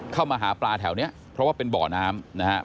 เข้ามาหาปลาแถวนี้เพราะว่าเป็นบ่อน้ำนะครับ